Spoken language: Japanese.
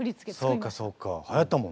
そっかそっかはやったもんね。